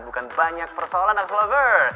bukan banyak persoalan okslover